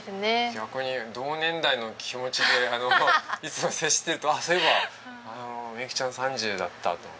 逆に同年代の気持ちでいつも接してるとあっそういえば未佑紀ちゃん３０だったとはい。